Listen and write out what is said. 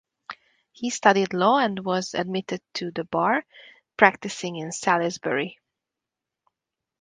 He studied law and was admitted to the bar, practicing in Salisbury.